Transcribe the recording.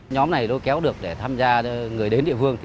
nhóm này lôi kéo được để tham gia người đến địa phương